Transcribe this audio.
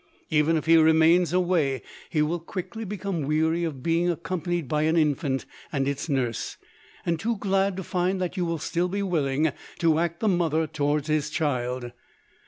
Even if he remain away, he will quickly become weary of being accom panied by an infant and its nurse, and too glad to find that you will still be willing to act the mother towards his child.